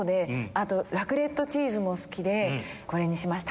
あとラクレットチーズも好きでこれにしました。